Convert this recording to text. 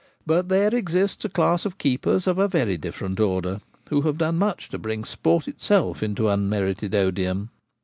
But there exists a class of keepers of a very different order, who have done much to bring sport itself into unmerited odium.